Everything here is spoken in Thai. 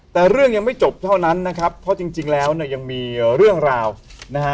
แต่เรื่องยังไม่จบเท่านั้นนะครับเพราะจริงแล้วเนี่ยยังมีเรื่องราวนะฮะ